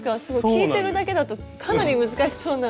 聞いてるだけだとかなり難しそうな。